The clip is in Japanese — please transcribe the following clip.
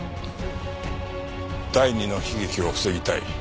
第二の悲劇を防ぎたい。